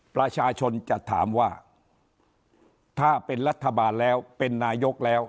ประชาชนจะถามว่าถ้าเป็นรัฐบาลแล้วเป็นนายกแล้ว